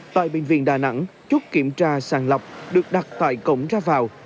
tại bệnh viện đà nẵng chút kiểm tra sàng lọc được đặt tại cổng ra vào